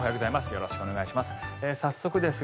よろしくお願いします。